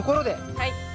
はい。